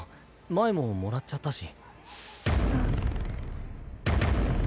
前ももらっちゃったし。